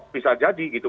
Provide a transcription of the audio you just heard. bisa jadi gitu